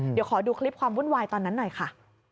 เดี๋ยวขอดูคลิปความวุ่นวายตอนนั้นหน่อยค่ะ